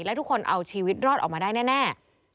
และทุกคนเอาชีวิตรอดออกมาได้แน่